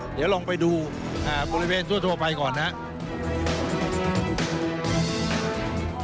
เดี๋ยวลองไปดูบริเวณทั่วไปก่อนนะครับ